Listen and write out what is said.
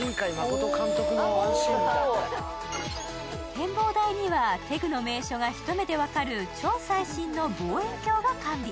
展望台にはテグの名所が一目で分かる超最新の望遠鏡が完備。